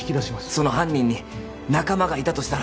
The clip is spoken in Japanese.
その犯人に仲間がいたとしたら？